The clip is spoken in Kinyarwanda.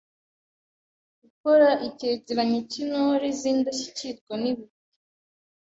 Gukora icyegeranyo cy’Intore z’indashyikirwa n’ibigwi